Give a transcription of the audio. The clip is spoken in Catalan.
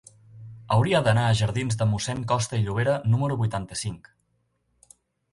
Hauria d'anar a la jardins de Mossèn Costa i Llobera número vuitanta-cinc.